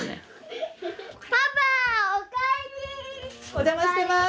お邪魔してます。